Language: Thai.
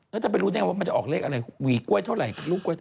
แล้วจะไปรู้ได้ไงว่ามันจะออกเลขอะไรหวีกล้วยเท่าไหร่ลูกก๊ว